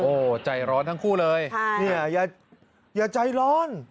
โอ้โหใจร้อนทั้งคู่เลยเนี่ยอย่าใจร้อน